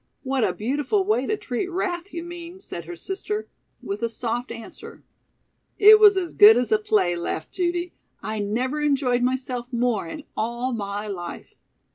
"What a beautiful way to treat wrath, you mean," said her sister; "with 'a soft answer.'" "It was as good as a play," laughed Judy. "I never enjoyed myself more in all my life."